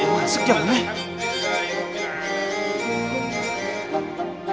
masuk jalan ya